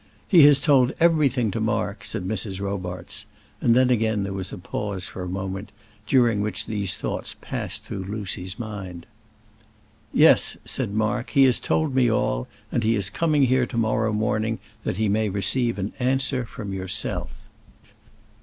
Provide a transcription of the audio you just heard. "He has told everything to Mark," said Mrs. Robarts; and then again there was a pause for a moment, during which these thoughts passed through Lucy's mind. "Yes," said Mark, "he has told me all, and he is coming here to morrow morning that he may receive an answer from yourself."